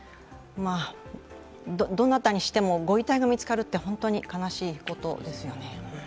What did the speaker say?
どなたにしても、ご遺体が見つかるって本当に悲しいことですよね。